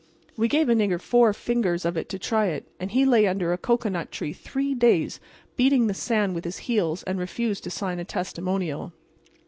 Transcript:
We gave a nigger four fingers of it to try it, and he lay under a cocoanut tree three days beating the sand with his heels and refused to sign a testimonial.